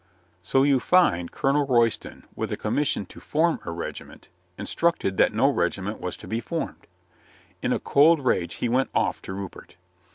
So you find Colonel Royston with a commission to form a regiment, instructed that no regiment was to be formed. In a cold rage he went off to Rupert.